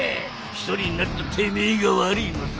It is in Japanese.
一人になったてめえが悪ぃのさ！